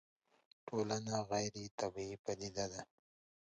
ټولنه غيري طبيعي پديده ده